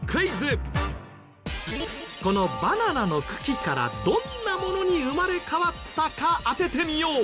このバナナの茎からどんなものに生まれ変わったか当ててみよう。